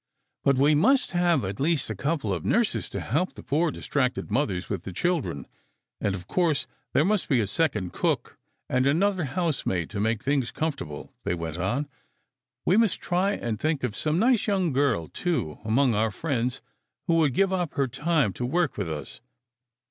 " But we must have at least a couple of nurses to help the poor, distracted mothers with the children, and, of course, there must be a second cook and another housemaid to make things comfortable," they went on. "We must try and think of some nice young girl, too, among our friends, who would give up her time to work with us.